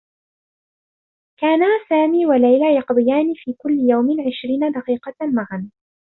كانا سامي و ليلى يقضيان في كلّ يوم عشرين دقيقة معا.